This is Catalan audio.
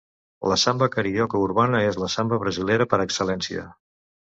La samba carioca urbana és la samba brasilera per excel·lència.